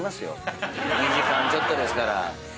２時間ちょっとですから。